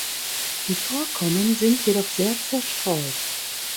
Die Vorkommen sind jedoch sehr zerstreut.